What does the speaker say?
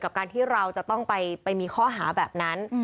กับการที่เราจะต้องไปมีข้อหาแบบนั้น